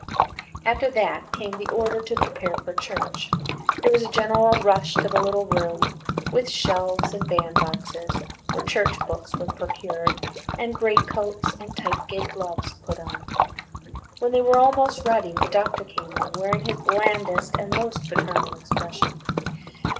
After that came the order to prepare for church. There was a general rush to the little room with the shelves and bandboxes, where church books were procured, and great coats and tight kid gloves put on. When they were almost ready the Doctor came in, wearing his blandest and most paternal expression.